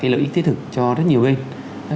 lợi ích thiết thực cho rất nhiều người